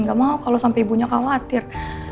gak mau kalau sampai ibunya khawatir